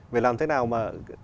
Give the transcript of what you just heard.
về làm thế nào mà